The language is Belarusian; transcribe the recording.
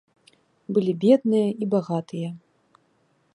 Былі бедныя і багатыя.